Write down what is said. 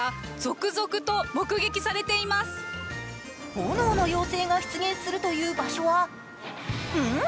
炎の妖精が出現するという場所はんっ？